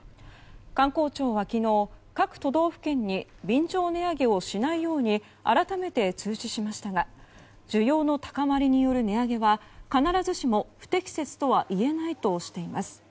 観光庁は昨日各都道府県に便乗値上げをしないよう改めて通知しましたが需要の高まりによる値上げは必ずしも不適切とは言えないとしています。